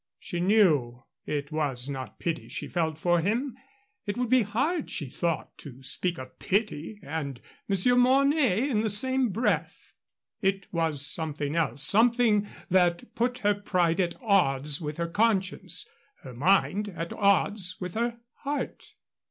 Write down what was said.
She knew it was not pity she felt for him. It would be hard, she thought, to speak of pity and Monsieur Mornay in the same breath. It was something else something that put her pride at odds with her conscience, her mind at odds with her heart.